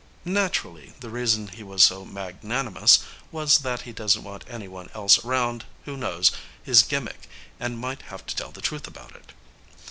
Naturally, the reason he was so magnanimous was that he doesn't want anyone else around who knows his gimmick and might have to tell the truth about it.